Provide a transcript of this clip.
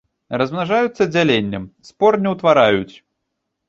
Размнажаюцца дзяленнем, спор не утвараюць.